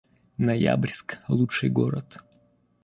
Ноябрьск — лучший город